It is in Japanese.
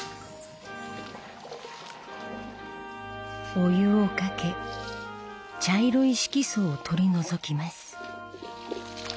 お湯をかけ茶色い色素を取り除きます。